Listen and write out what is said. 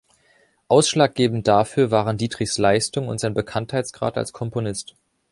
Ausschlaggebend dafür waren Dietrichs Leistung und sein Bekanntheitsgrad als Komponist.